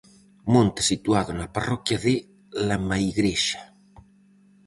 Monte situado na parroquia de Lamaigrexa.